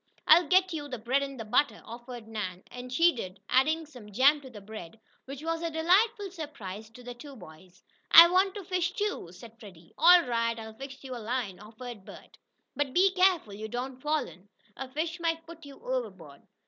"I'll get you the bread and butter," offered Nan, and she did, adding some jam to the bread, which was a delightful surprise to the two boys. "I want to fish, too," said Freddie. "All right, I'll fix you a line," offered Bert. "But be careful you don't fall in. A fish might pull you overboard."